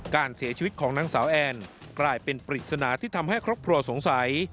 การเสียชีวิตของนางสาวแอนกลายเป็นปริศนาที่ทำให้ครอบครัวสงสัย